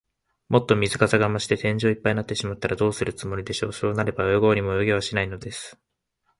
もっと水かさが増して、天井いっぱいになってしまったら、どうするつもりでしょう。そうなれば、泳ごうにも泳げはしないのです。